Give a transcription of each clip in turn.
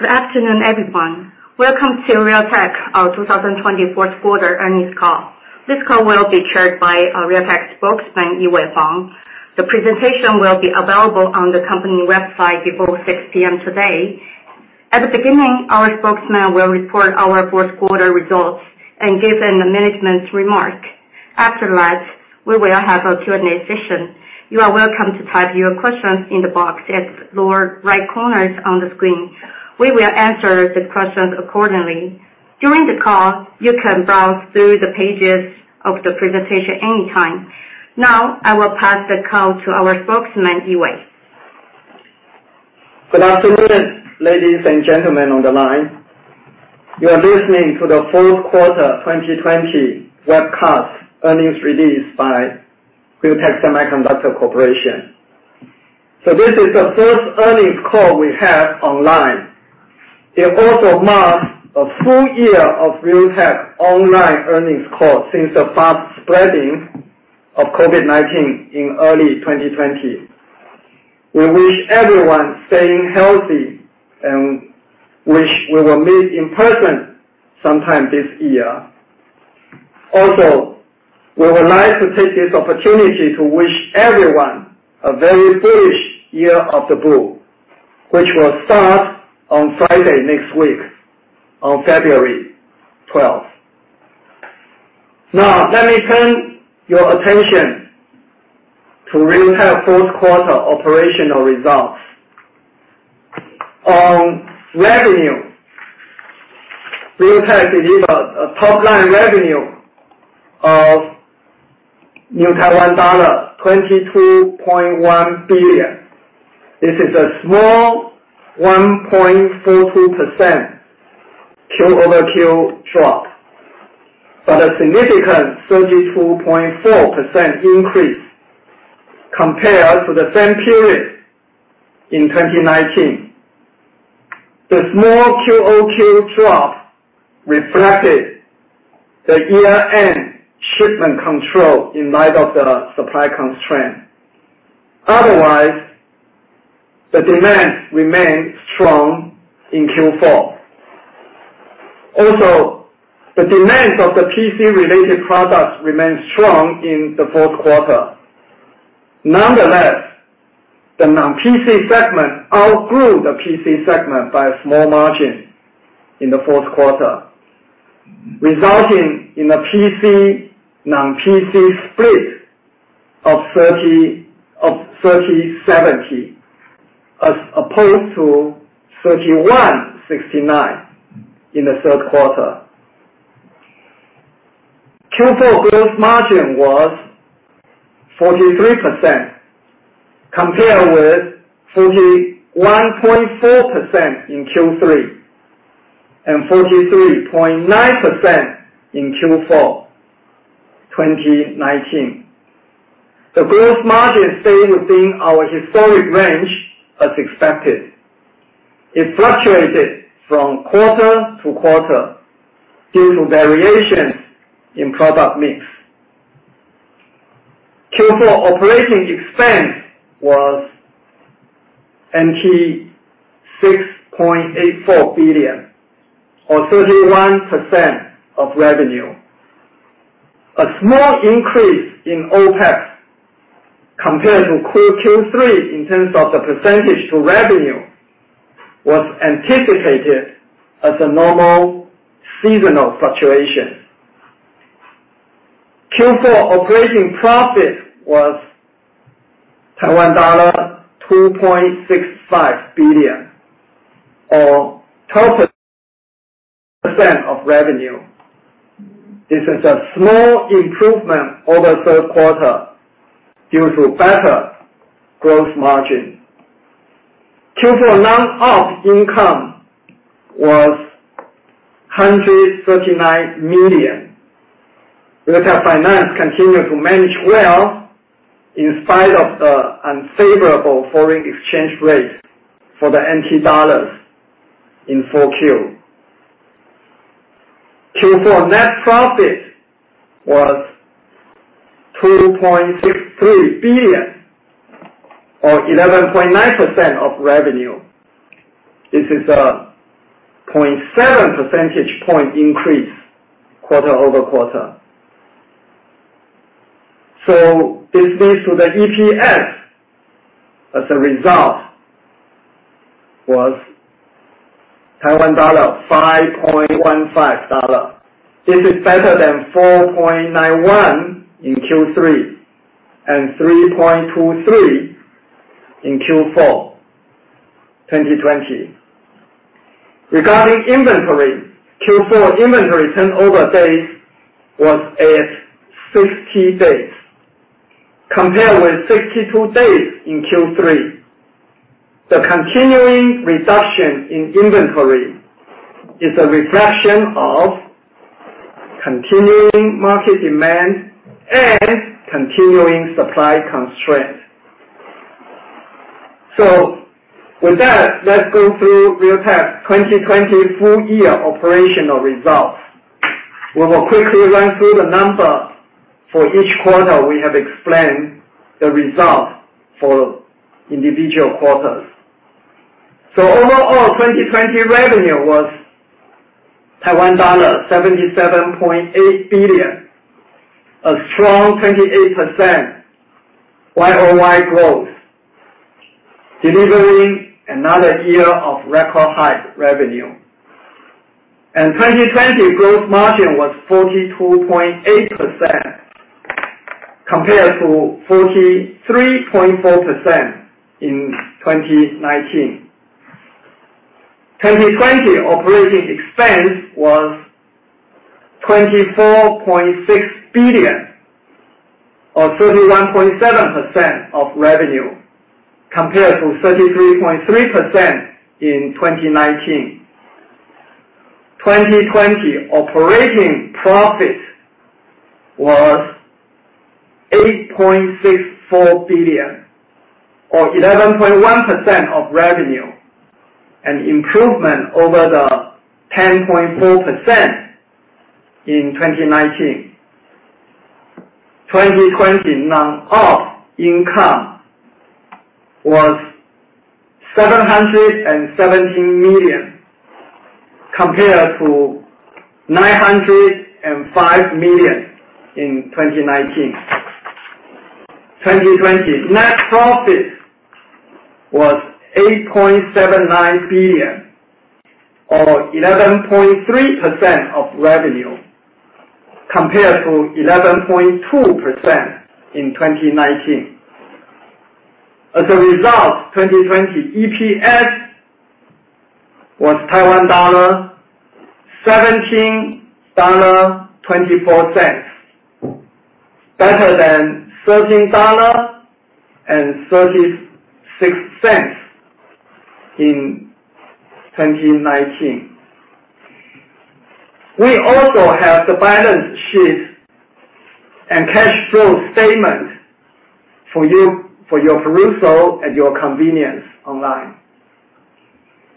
Good afternoon, everyone. Welcome to Realtek, our 2020 fourth quarter earnings call. This call will be chaired by Realtek Spokesman, Yee-Wei Huang. The presentation will be available on the company website before 6:00 P.M. today. At the beginning, our spokesman will report our fourth quarter results and give the management's remark. After that, we will have a Q&A session. You are welcome to type your questions in the box at the lower right corner on the screen. We will answer the questions accordingly. During the call, you can browse through the pages of the presentation anytime. Now, I will pass the call to our spokesman, Yee-Wei. Good afternoon, ladies and gentlemen on the line. You are listening to the fourth quarter 2020 webcast earnings release by Realtek Semiconductor Corporation. This is the first earnings call we have online. It also marks a full year of Realtek online earnings calls since the fast spreading of COVID-19 in early 2020. We wish everyone staying healthy, and wish we will meet in person sometime this year. We would like to take this opportunity to wish everyone a very bullish Year of the Bull, which will start on Friday next week, on February 12th. Let me turn your attention to Realtek fourth quarter operational results. On revenue, Realtek delivered a top-line revenue of Taiwan dollar 22.1 billion. This is a small 1.42% Q-o-Q drop, but a significant 32.4% increase compared to the same period in 2019. The small QoQ drop reflected the year-end shipment control in light of the supply constraint. Otherwise, the demand remained strong in Q4. The demand of the PC related products remained strong in the fourth quarter. The non-PC segment outgrew the PC segment by a small margin in the fourth quarter, resulting in a PC, non-PC split of 30/70, as opposed to 31/69 in the third quarter. Q4 gross margin was 43%, compared with 41.4% in Q3, and 43.9% in Q4 2019. The gross margin stayed within our historic range as expected. It fluctuated from quarter to quarter due to variations in product mix. Q4 operating expense was 6.84 billion or 31% of revenue. A small increase in OPEX compared to Q3 in terms of the percentage to revenue, was anticipated as a normal seasonal fluctuation. Q4 operating profit was TWD 2.65 billion or 12% of revenue. This is a small improvement over third quarter due to better gross margin. Q4 non-OP income was 139 million. Realtek Finance continued to manage well in spite of the unfavorable foreign exchange rate for the TWD in 4Q. Q4 net profit was 2.63 billion or 11.9% of revenue. This is a 0.7 percentage point increase quarter-over-quarter. This leads to the EPS as a result, was 5.15 dollar. This is better than 4.91 in Q3 and 3.23 in Q4 2020. Regarding inventory, Q4 inventory turnover days was at 60 days, compared with 62 days in Q3. The continuing reduction in inventory is a reflection of continuing market demand and continuing supply constraints. With that, let's go through Realtek's 2020 full-year operational results. We will quickly run through the numbers for each quarter. We have explained the results for individual quarters. Overall, 2020 revenue was Taiwan dollar 77.8 billion, a strong 28% Y-O-Y growth, delivering another year of record high revenue. 2020 gross margin was 42.8%, compared to 43.4% in 2019. 2020 operating expense was TWD 24.6 billion or 31.7% of revenue, compared to 33.3% in 2019. 2020 operating profit was 8.64 billion or 11.1% of revenue, an improvement over the 10.4% in 2019. 2020 non-OP income was 717 million, compared to 905 million in 2019. 2020 net profit was 8.79 billion or 11.3% of revenue, compared to 11.2% in 2019. As a result, 2020 EPS was TWD 17.24, better than TWD 13.36 in 2019. We also have the balance sheet and cash flow statement for your perusal at your convenience online.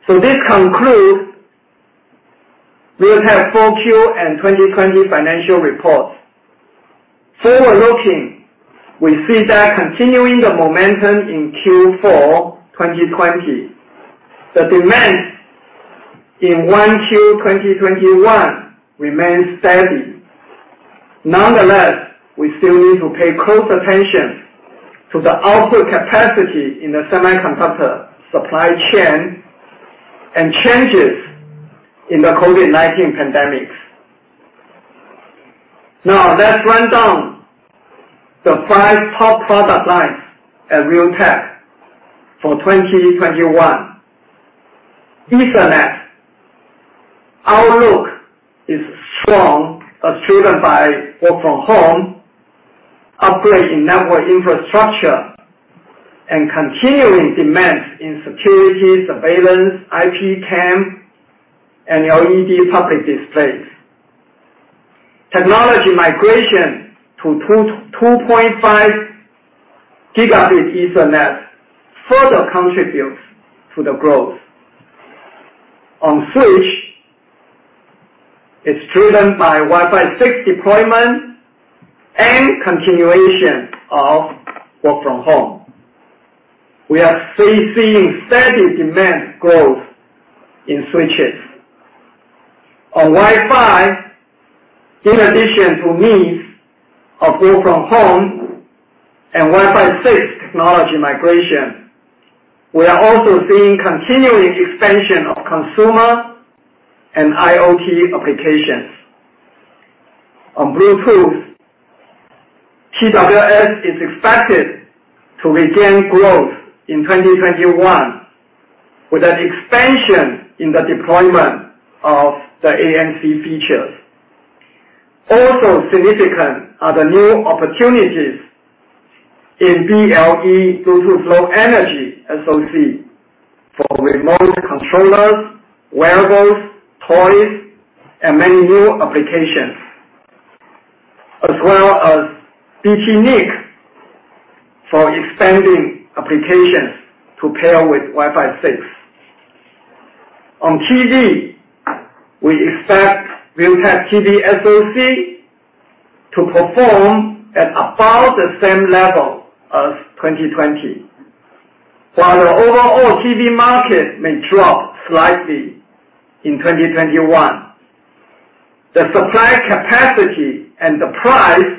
This concludes Realtek 4Q and 2020 financial report. Forward-looking, we see that continuing the momentum in Q4 2020, the demand in 1Q 2021 remains steady. Nonetheless, we still need to pay close attention to the output capacity in the semiconductor supply chain and changes in the COVID-19 pandemic. Now let's run down the five top product lines at Realtek for 2021. Ethernet outlook is strong as driven by work from home, upgrade in network infrastructure, and continuing demand in security, surveillance, IP cam, and LED public displays. Technology migration to 2.5 Gb Ethernet further contributes to the growth. On switch, it's driven by Wi-Fi 6 deployment and continuation of work from home. We are seeing steady demand growth in switches. On Wi-Fi, in addition to needs of work from home and Wi-Fi 6 technology migration, we are also seeing continuing expansion of consumer and IoT applications. On Bluetooth, TWS is expected to regain growth in 2021 with an expansion in the deployment of the ANC features. Also significant are the new opportunities in BLE, due to low energy SoC for remote controllers, wearables, toys, and many new applications, as well as BT NIC for expanding applications to pair with Wi-Fi 6. On TV, we expect Realtek TV SoC to perform at about the same level as 2020. While the overall TV market may drop slightly in 2021. The supply capacity and the price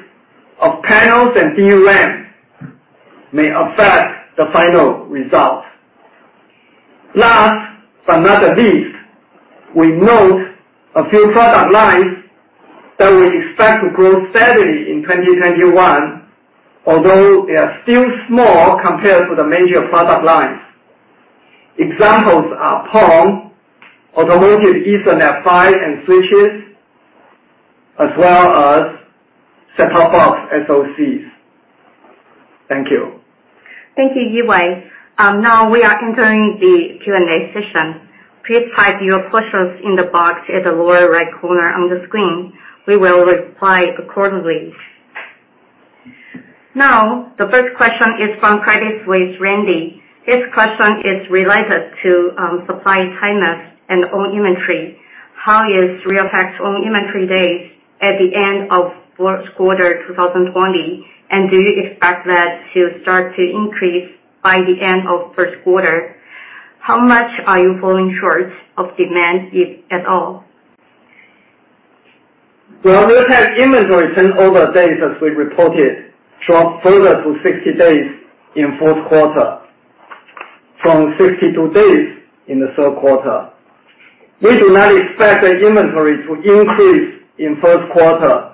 of panels and DRAM may affect the final result. Last but not the least, we note a few product lines that we expect to grow steadily in 2021, although they are still small compared to the major product lines. Examples are PON, automotive Ethernet PHY and switches, as well as set-top box SoCs. Thank you. Thank you, Yee-Wei. Now we are entering the Q&A session. Please type your questions in the box at the lower right corner on the screen. We will reply accordingly. Now, the first question is from Credit Suisse, Randy. This question is related to supply chain and own inventory. How is Realtek's own inventory days at the end of fourth quarter 2020? Do you expect that to start to increase by the end of first quarter? How much are you falling short of demand, if at all? Well, Realtek inventory turnover days, as we reported, dropped further to 60 days in fourth quarter from 62 days in the third quarter. We do not expect the inventory to increase in first quarter.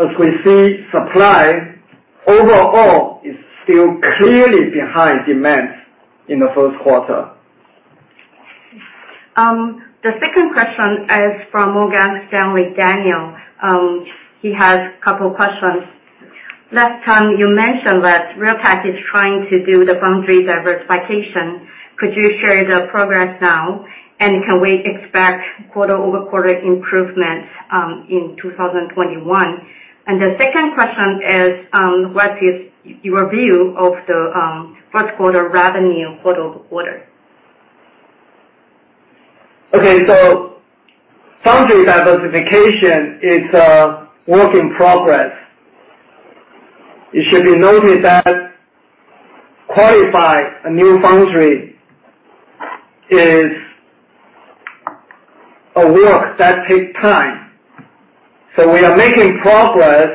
As we see, supply overall is still clearly behind demands in the first quarter. The second question is from Morgan Stanley, Daniel. He has a couple questions. Last time you mentioned that Realtek is trying to do the foundry diversification. Could you share the progress now? Can we expect quarter-over-quarter improvements in 2021? The second question is, what is your view of the first quarter revenue quarter-over-quarter? Okay. Foundry diversification is a work in progress. It should be noted that qualify a new foundry is a work that takes time. We are making progress,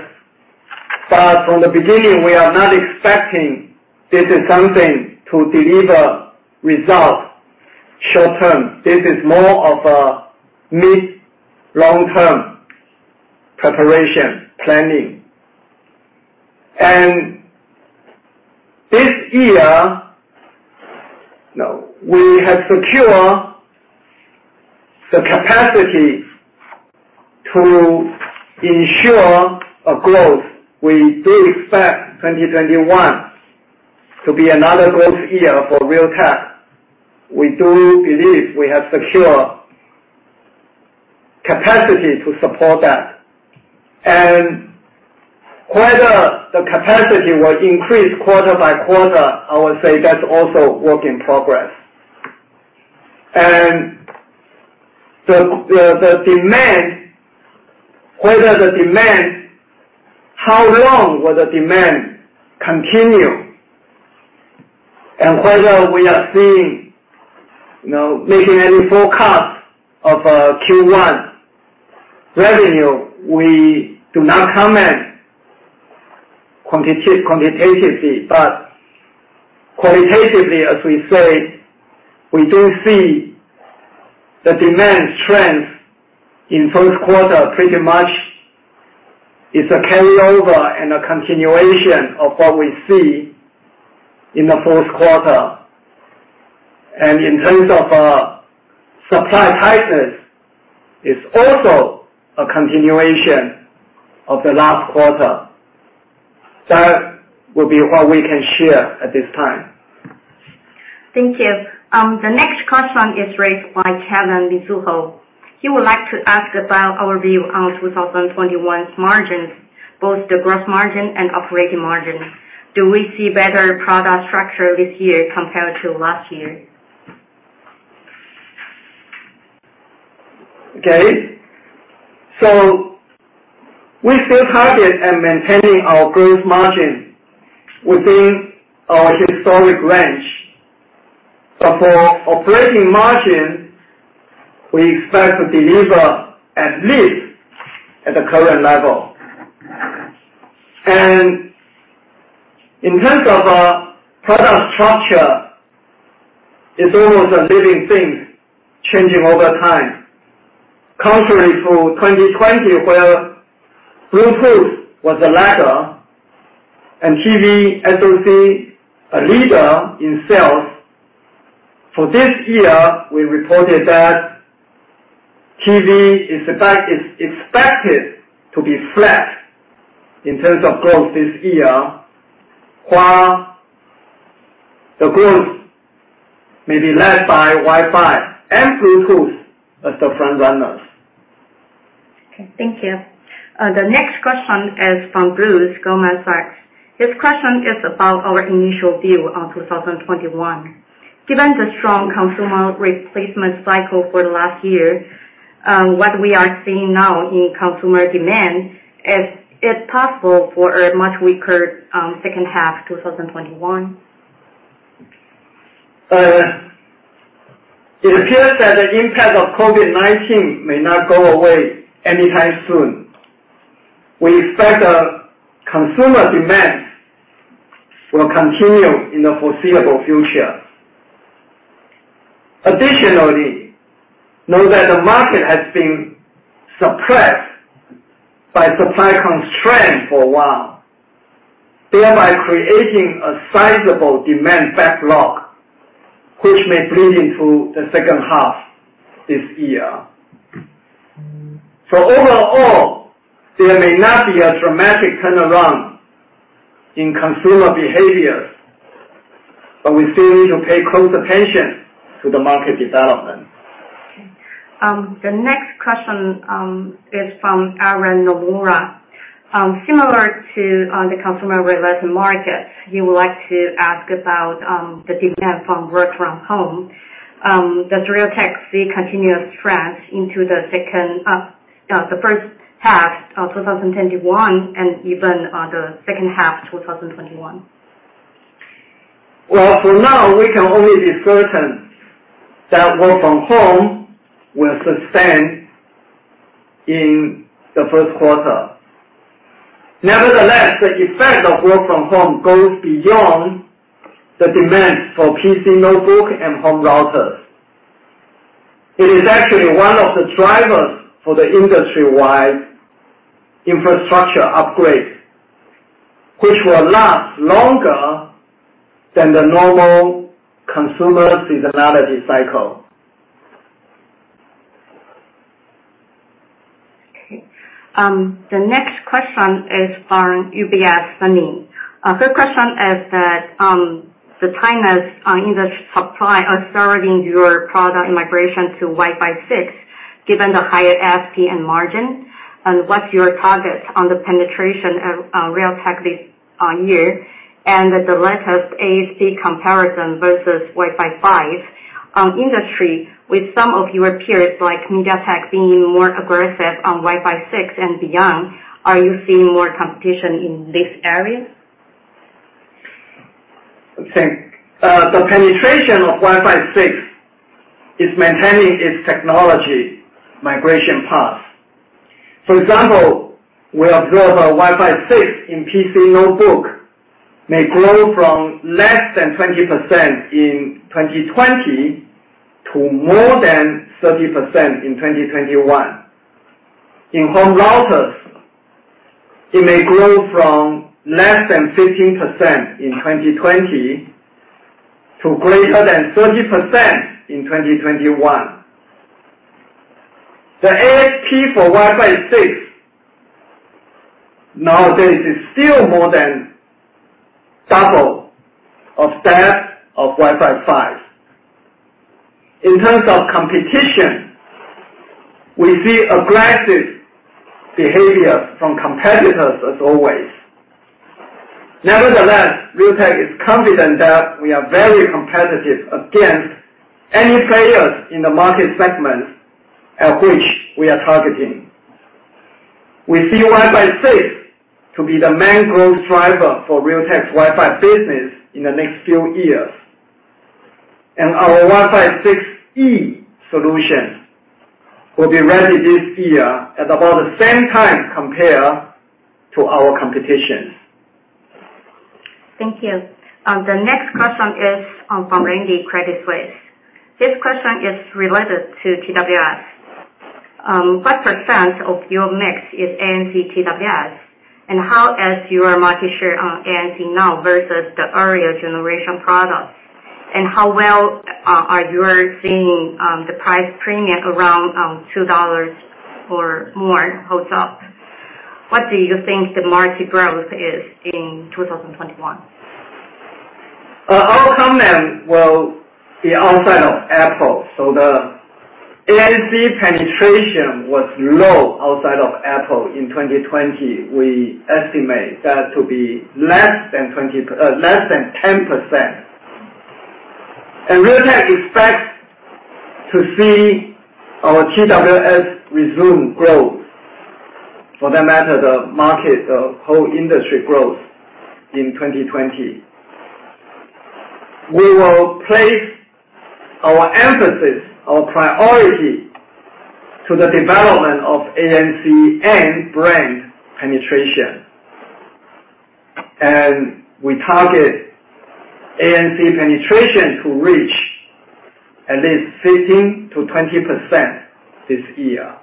but from the beginning, we are not expecting this is something to deliver results short term. This is more of a mid, long-term preparation planning. This year, we have secured the capacity to ensure a growth. We do expect 2021 to be another growth year for Realtek. We do believe we have secure capacity to support that. Whether the capacity will increase quarter by quarter, I would say that's also work in progress. The demand, how long will the demand continue? Whether we are seeing, making any forecast of Q1 revenue, we do not comment quantitatively. Qualitatively, as we say, we do see the demand strength in first quarter pretty much is a carryover and a continuation of what we see in the fourth quarter. In terms of supply tightness, it's also a continuation of the last quarter. That would be what we can share at this time. Thank you. The next question is raised by Kevin, Mizuho. He would like to ask about our view on 2021's margins, both the gross margin and operating margin. Do we see better product structure this year compared to last year? Okay. We still target at maintaining our gross margin within our historic range. For operating margin, we expect to deliver at least at the current level. In terms of product structure, it's almost a living thing changing over time. Contrary to 2020 where Bluetooth was the latter and TV SoC a leader in sales, for this year, we reported that TV is expected to be flat in terms of growth this year, while the growth may be led by Wi-Fi and Bluetooth as the front runners. Okay. Thank you. The next question is from Bruce, Goldman Sachs. His question is about our initial view on 2021. Given the strong consumer replacement cycle for last year, what we are seeing now in consumer demand, is it possible for a much weaker second half 2021? It appears that the impact of COVID-19 may not go away anytime soon. We expect consumer demand will continue in the foreseeable future. Additionally, note that the market has been suppressed by supply constraint for a while, thereby creating a sizable demand backlog, which may bleed into the second half this year. Overall, there may not be a dramatic turnaround in consumer behaviors. We still need to pay close attention to the market development. Okay. The next question is from Aaron Nomura. Similar to the consumer-related markets, he would like to ask about the demand from work from home. Does Realtek see continuous trends into the first half of 2021, and even on the second half of 2021? Well, for now, we can only be certain that work from home will sustain in the first quarter. Nevertheless, the effect of work from home goes beyond the demand for PC notebook and home routers. It is actually one of the drivers for the industry-wide infrastructure upgrade, which will last longer than the normal consumer seasonality cycle. Okay. The next question is from UBS, Sunny. Her question is that the timelines in the supply are serving your product migration to Wi-Fi 6, given the higher ASP and margin. What's your targets on the penetration of Realtek this year? The latest ASP comparison versus Wi-Fi 5 on industry with some of your peers like MediaTek being more aggressive on Wi-Fi 6 and beyond, are you seeing more competition in this area? Okay. The penetration of Wi-Fi 6 is maintaining its technology migration path. For example, we observe that Wi-Fi 6 in PC notebook may grow from less than 20% in 2020 to more than 30% in 2021. In home routers, it may grow from less than 15% in 2020 to greater than 30% in 2021. The ASP for Wi-Fi 6 nowadays is still more than double of that of Wi-Fi 5. In terms of competition, we see aggressive behavior from competitors as always. Nevertheless, Realtek is confident that we are very competitive against any players in the market segment at which we are targeting. We see Wi-Fi 6 to be the main growth driver for Realtek's Wi-Fi business in the next few years. Our Wi-Fi 6E solution will be ready this year at about the same time compared to our competition. Thank you. The next question is from Randy, Credit Suisse. This question is related to TWS. What % of your mix is ANC TWS? How is your market share on ANC now versus the earlier generation products? How well are you seeing the price premium around 2 dollars or more holds up? What do you think the market growth is in 2021? Our comment will be outside of Apple. The ANC penetration was low outside of Apple in 2020. We estimate that to be less than 10%. Realtek expects to see our TWS resume growth. For that matter, the market, the whole industry growth in 2020. We will place our emphasis, our priority, to the development of ANC and brand penetration. We target ANC penetration to reach at least 15%-20% this year.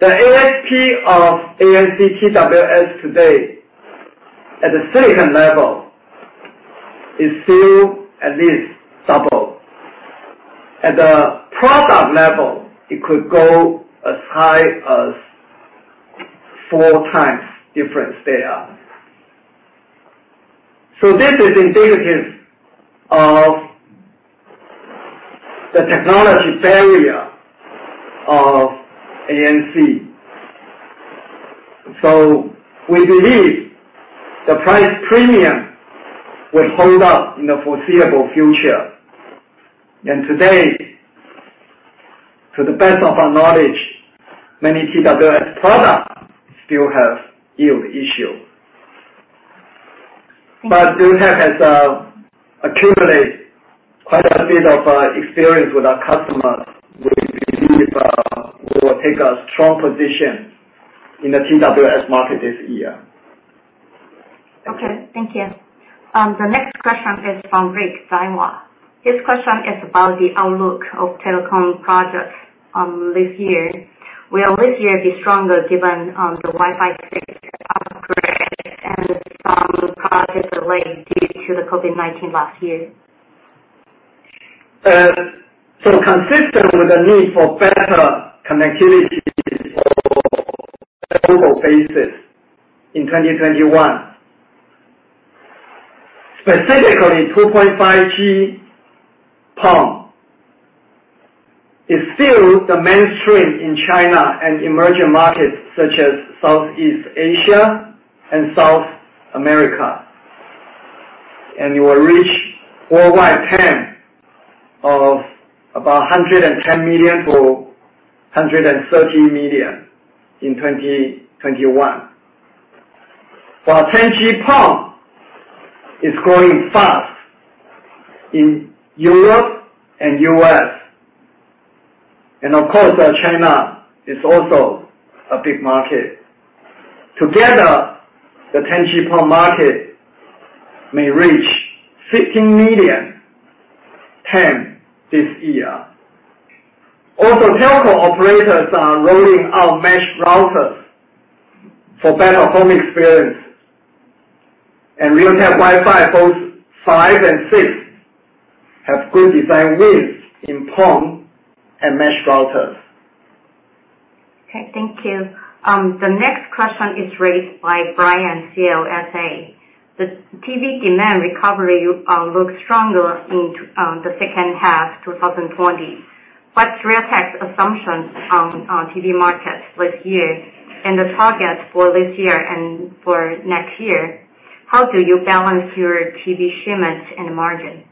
The ASP of ANC TWS today at the silicon level is still at least double. At the product level, it could go as high as four times difference they are. This is indicative of the technology barrier of ANC. We believe the price premium will hold up in the foreseeable future. Today, to the best of our knowledge, many TWS products still have yield issue. Realtek has accumulated quite a bit of experience with our customers. We believe we will take a strong position in the TWS market this year. Okay. Thank you. The next question is from Rick, BMO. This question is about the outlook of telecom projects this year. Will this year be stronger given the Wi-Fi 6 upgrade and some projects delayed due to the COVID-19 last year? Consistent with the need for better connectivity global basis in 2021. Specifically, 2.5G PON is still the mainstream in China and emerging markets such as Southeast Asia and South America. It will reach worldwide TAM of about 110 million-130 million in 2021. 10G PON is growing fast in Europe and U.S., and of course, China is also a big market. Together, the 10G PON market may reach 16 million TAM this year. Telco operators are rolling out mesh routers for better home experience, and Realtek Wi-Fi, both five and six, have good design wins in PON and mesh routers. Okay. Thank you. The next question is raised by Brian, CLSA. The TV demand recovery looks stronger in the second half 2020. What is Realtek's assumptions on TV market this year and the target for this year and for next year? How do you balance your TV shipments and margin?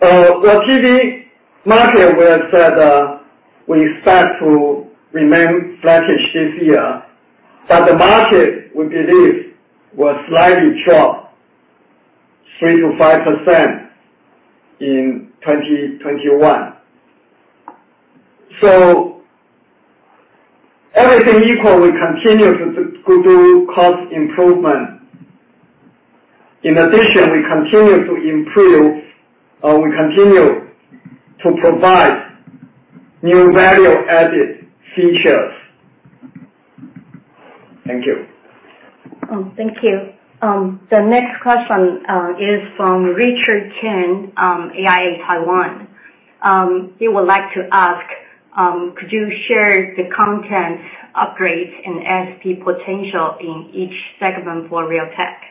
The TV market, we have said we expect to remain flattish this year. The market, we believe, will slightly drop 3%-5% in 2021. Everything equal, we continue to do cost improvement. In addition, we continue to provide new value-added features. Thank you. Thank you. The next question is from Richard Chen, AIA Taiwan. He would like to ask, could you share the content upgrades and ASP potential in each segment for Realtek?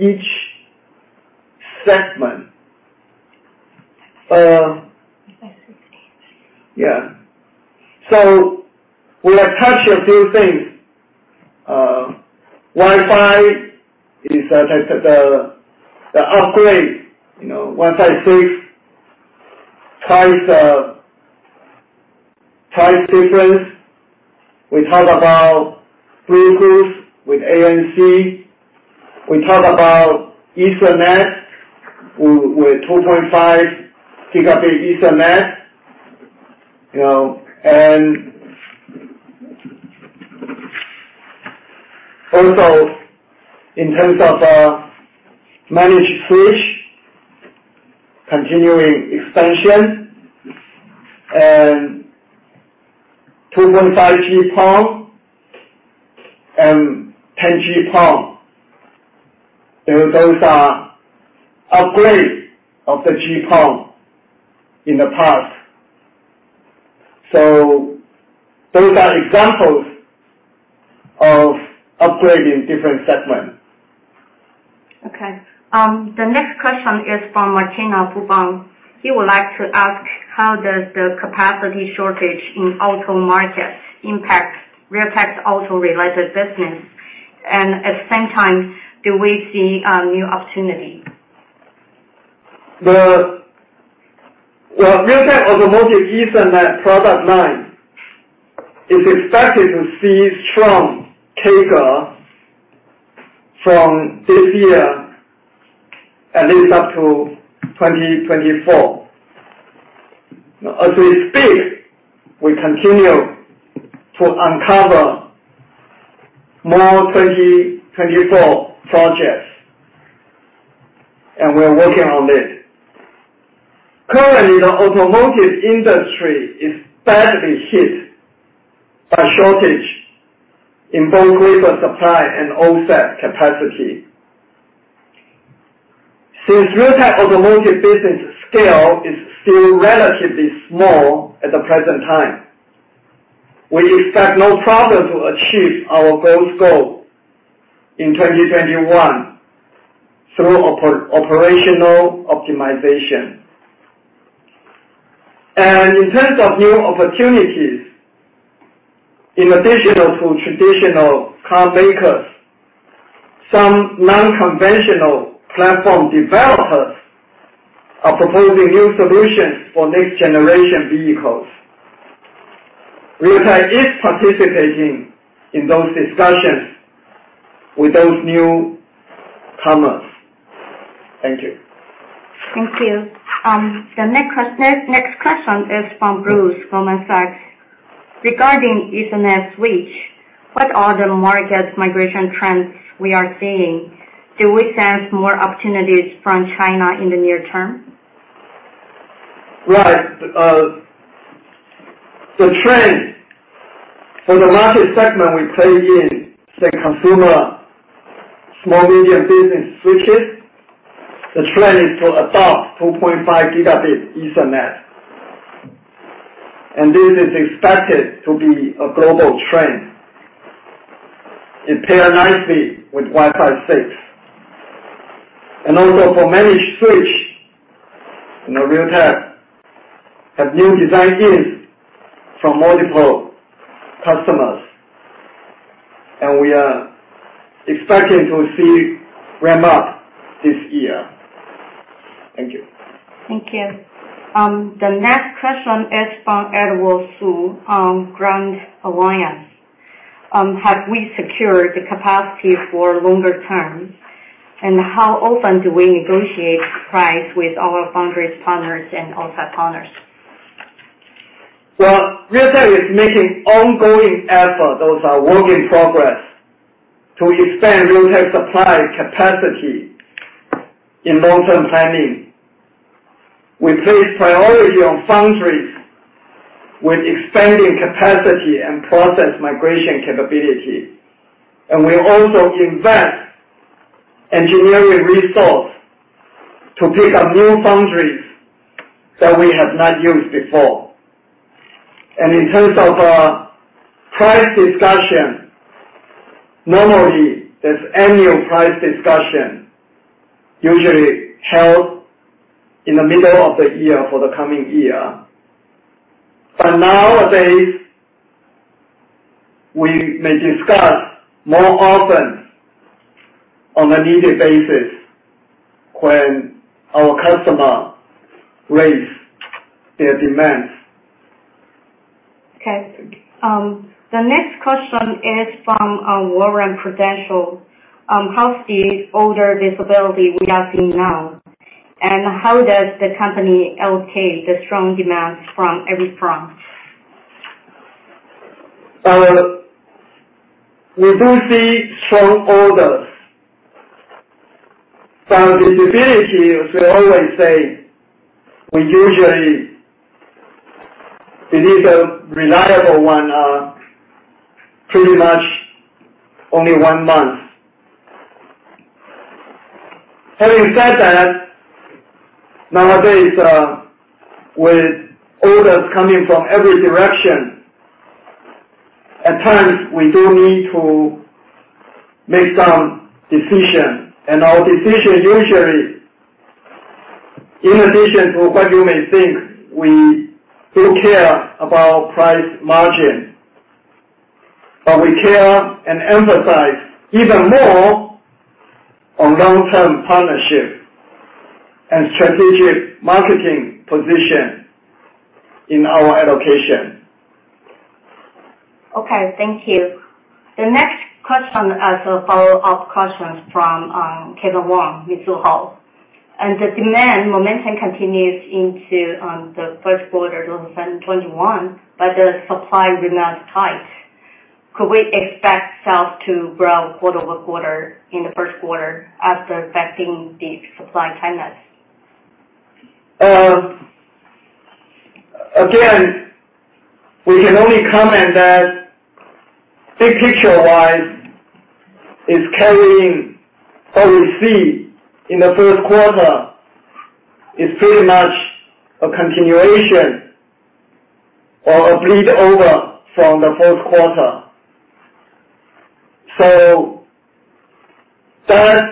Each segment? Yeah. We have touched a few things. Wi-Fi is the upgrade. Wi-Fi 6 drives difference. We talked about Bluetooth with ANC. We talked about Ethernet with 2.5 Gb Ethernet. Also in terms of managed switch, continuing expansion and 2.5G PON and 10G PON. Those are upgrades of the GPON in the past. Those are examples of upgrading different segments. Okay. The next question is from Martina, Fubon. He would like to ask, how does the capacity shortage in auto market impact Realtek's auto-related business? At the same time, do we see a new opportunity? The Realtek Automotive Ethernet product line is expected to see strong take-up from this year, at least up to 2024. As we speak, we continue to uncover more 2024 projects, and we are working on it. Currently, the automotive industry is badly hit by shortage in both wafer supply and OSAT capacity. Since Realtek Automotive business scale is still relatively small at the present time, we expect no problem to achieve our growth goal in 2021 through operational optimization. In terms of new opportunities, in addition to traditional car makers, some non-conventional platform developers are proposing new solutions for next generation vehicles. Realtek is participating in those discussions with those new comers. Thank you. Thank you. The next question is from Bruce, Goldman Sachs. Regarding Ethernet switch, what are the market migration trends we are seeing? Do we sense more opportunities from China in the near term? Right. The trend for the market segment we play in, the consumer small medium business switches, the trend is to adopt 2.5 Gb Ethernet. This is expected to be a global trend. It pair nicely with Wi-Fi 6. Also for managed switch, Realtek have new design wins from multiple customers. We are expecting to see ramp-up this year. Thank you. Thank you. The next question is from Edward Su, Grand Alliance. Have we secured the capacity for longer term? How often do we negotiate price with our foundries partners and also partners? Realtek is making ongoing effort, those are work in progress, to expand Realtek supply capacity in long-term planning. We place priority on foundries with expanding capacity and process migration capability. We also invest engineering resource to pick up new foundries that we have not used before. Nowadays, we may discuss more often on a needed basis when our customer raise their demands. Okay. The next question is from Warren, Prudential. How's the order visibility we are seeing now? How does the company allocate the strong demands from every front? We do see strong orders. Visibility, as we always say, we usually believe the reliable one are pretty much only one month. Having said that, nowadays, with orders coming from every direction, at times, we do need to make some decision. Our decision usually, in addition to what you may think, we do care about price margin. We care and emphasize even more on long-term partnership and strategic marketing position in our allocation. Okay. Thank you. The next question is a follow-up question from Kevin Wong, Mizuho. As the demand momentum continues into the first quarter 2021, but the supply remains tight, could we expect sales to grow quarter-over-quarter in the first quarter after factoring the supply tightness? Again, we can only comment that big picture-wise, it's carrying what we see in the first quarter. It's pretty much a continuation or a bleed over from the fourth quarter. That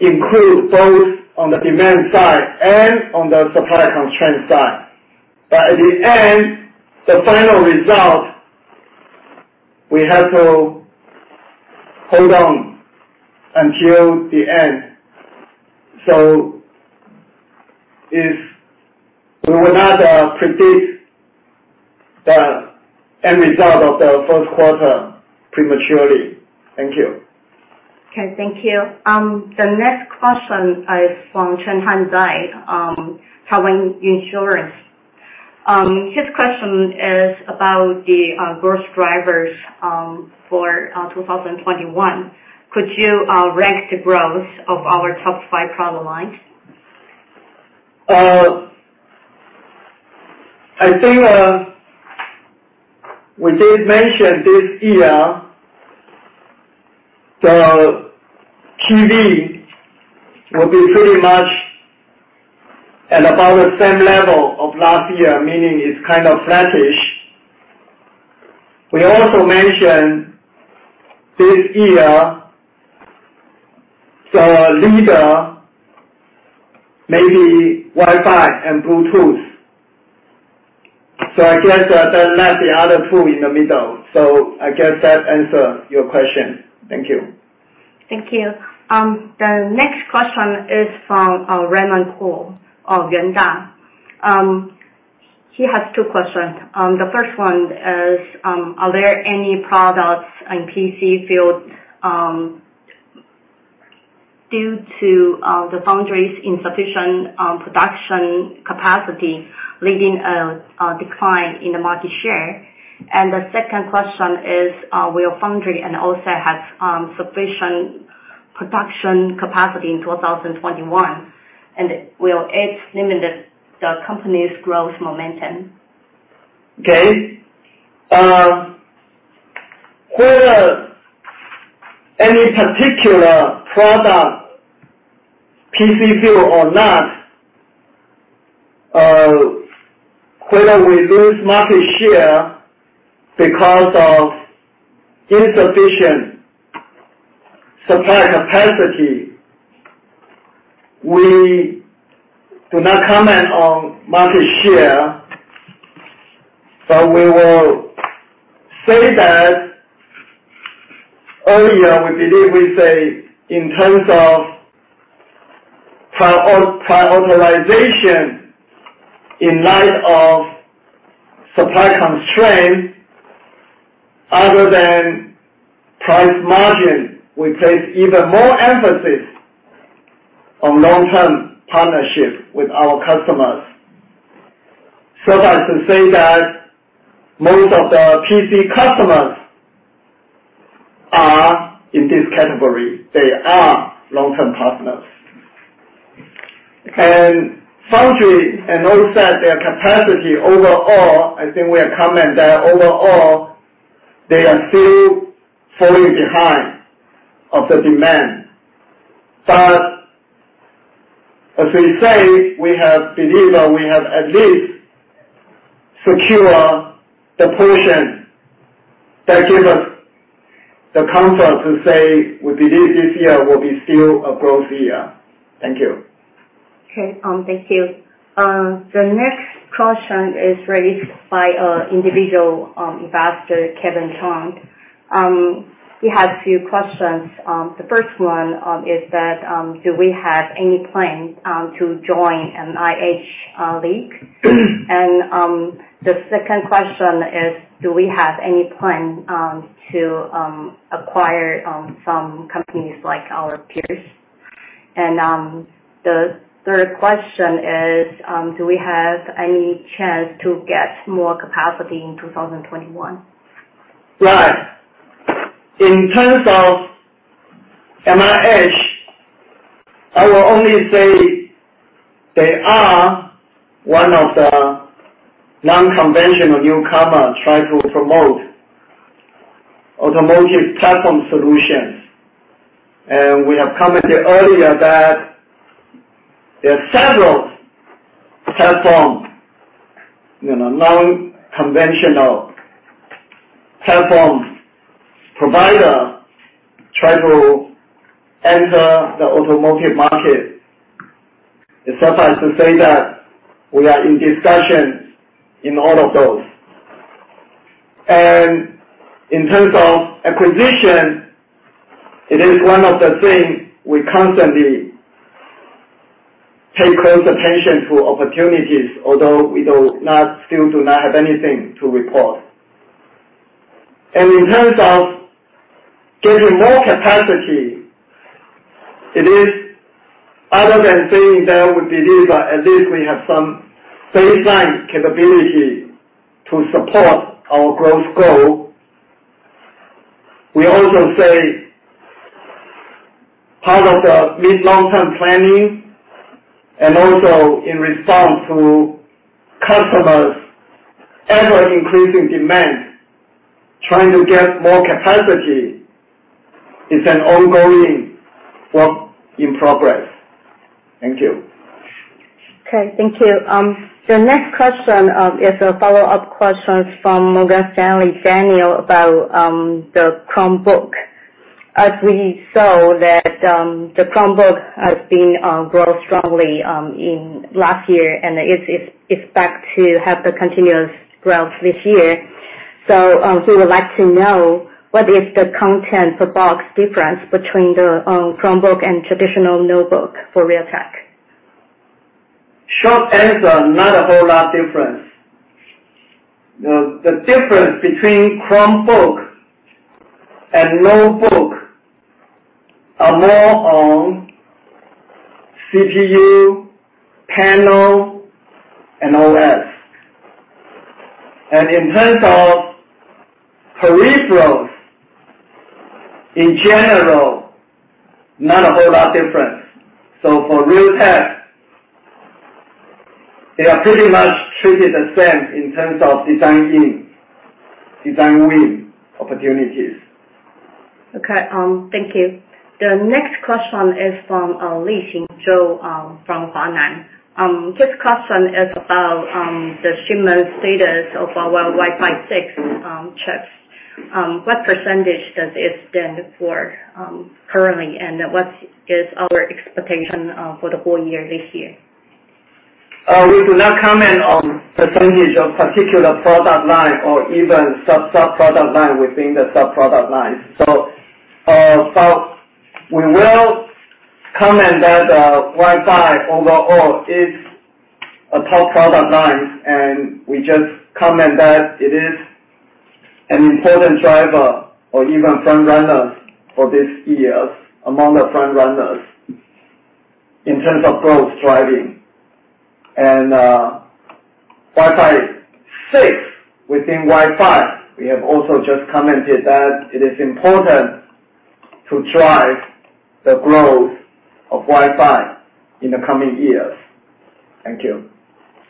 includes both on the demand side and on the supply constraint side. But at the end, the final result, we have to hold on until the end. We will not predict the end result of the first quarter prematurely. Thank you. Okay. Thank you. The next question is from Chen Han Dai, Taiwan Insurance. His question is about the growth drivers for 2021. Could you rank the growth of our top five product lines? I think we did mention this year, the TV will be pretty much at about the same level of last year, meaning it's kind of flattish. We also mentioned this year, the leader may be Wi-Fi and Bluetooth. I guess that left the other two in the middle. I guess that answer your question. Thank you. Thank you. The next question is from Raymond Kuo of Yuanta. He has two questions. The first one is, are there any products in PC field due to the foundries insufficient production capacity, leading a decline in the market share? The second question is, will foundry and also have sufficient production capacity in 2021, and will it limit the company's growth momentum? Okay. Whether any particular product, PC or not, whether we lose market share because of insufficient supply capacity, we do not comment on market share. We will say that earlier, we believe we say in terms of prioritization in light of supply constraints, other than price margin, we place even more emphasis on long-term partnership with our customers. Suffice to say that most of the PC customers are in this category. They are long-term partners. Foundry, and also their capacity overall, I think we have commented that overall, they are still falling behind of the demand. As we say, we believe that we have at least secure the portion that gives us the comfort to say we believe this year will be still a growth year. Thank you. Okay. Thank you. The next question is raised by individual investor, Kevin Tong. He has a few questions. The first one is that, do we have any plan to join MIH Alliance? The second question is, do we have any plan to acquire some companies like our peers? The third question is, do we have any chance to get more capacity in 2021? Right. In terms of MIH, I will only say they are one of the non-conventional newcomers trying to promote automotive platform solutions. We have commented earlier that there are several non-conventional platform providers trying to enter the automotive market. It's suffice to say that we are in discussions in all of those. In terms of acquisition, it is one of the things we constantly pay close attention to opportunities, although we still do not have anything to report. In terms of getting more capacity, it is other than saying that we believe at least we have some baseline capability to support our growth goal. We also say part of the mid, long-term planning and also in response to customers' ever-increasing demand, trying to get more capacity is an ongoing work in progress. Thank you. Okay. Thank you. The next question is a follow-up question from Morgan Stanley, Daniel, about the Chromebook. As we saw that the Chromebook has been growing strongly in last year, and it is expected to have the continuous growth this year. We would like to know what is the content per box difference between the Chromebook and traditional notebook for Realtek? Short answer, not a whole lot difference. The difference between Chromebook and notebook are more on CPU, panel, and OS. In terms of peripherals, in general, not a whole lot difference. For Realtek, they are pretty much treated the same in terms of design win opportunities. Okay, thank you. Next question is from Li Xingzhou from Hua Nan. This question is about the shipment status of our Wi-Fi 6 chips. What % does it stand for currently, and what is our expectation for the whole year this year? We do not comment on percentage of particular product line or even sub-product line within the sub-product line. We will comment that Wi-Fi overall is a top product line, and we just comment that it is an important driver or even front-runner for this year among the front-runners in terms of growth driving. Wi-Fi 6, within Wi-Fi, we have also just commented that it is important to drive the growth of Wi-Fi in the coming years. Thank you.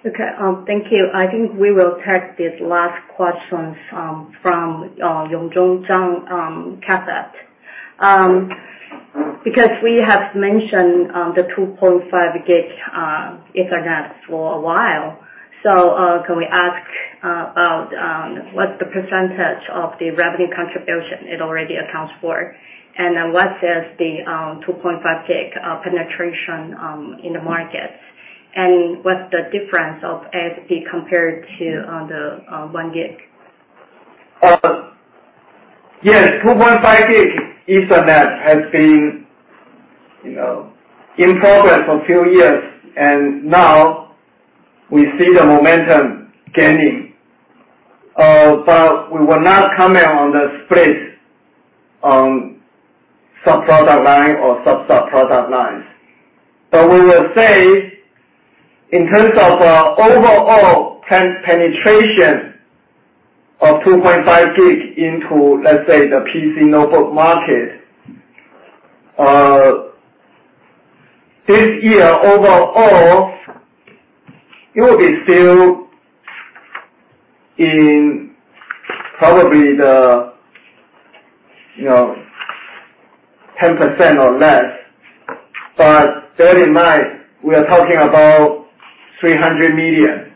Okay. Thank you. I think we will take this last question from Yong Jung Jang, Cathay. We have mentioned the 2.5 Gb Ethernet for a while, can we ask about what the % of the revenue contribution it already accounts for? What is the 2.5 Gb penetration in the market, and what's the difference of ASP compared to the 1 Gb? Yes. 2.5 Gb Ethernet has been in progress for a few years. Now we see the momentum gaining. We will not comment on the split on sub-product line or sub-sub-product lines. We will say, in terms of overall penetration of 2.5 Gb into, let's say, the PC notebook market. This year overall, it will be still in probably the 10% or less. Bear in mind, we are talking about 300 million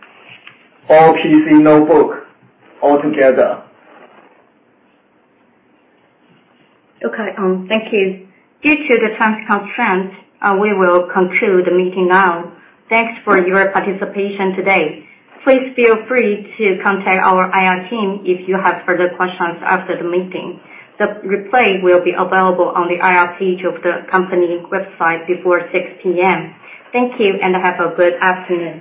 all PC notebook altogether. Okay. Thank you. Due to the time constraint, we will conclude the meeting now. Thanks for your participation today. Please feel free to contact our IR team if you have further questions after the meeting. The replay will be available on the IR page of the company website before 6:00 P.M. Thank you, and have a good afternoon.